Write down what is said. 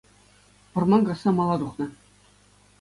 Вӑрман касса мала тухнӑ